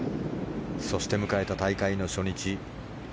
そして迎えた大会の初日。